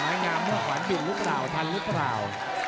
มายงามมุ่งขวานปิดรึเปล่าทันรึเปล่า